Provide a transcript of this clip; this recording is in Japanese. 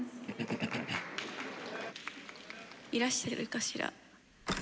いらしてるかしら。